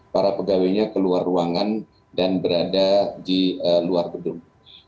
jadi pada waktu itu saya sudah sudah berada di luar gedung